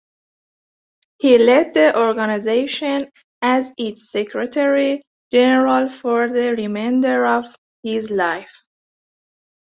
He led the organisation as its secretary general for the remainder of his life.